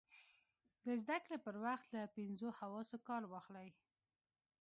د زده کړې پر وخت له پینځو حواسو کار واخلئ.